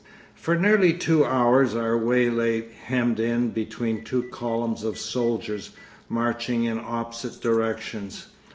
For nearly two hours our way lay hemmed in between two columns of soldiers, marching in opposite directions.